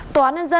tòa án nhân dân